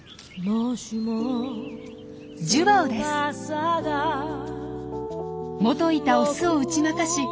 もといたオスを打ち負かし